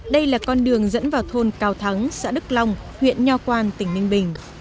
đây là con đường dẫn vào thôn cao thắng xã đức long huyện nho quan tỉnh ninh bình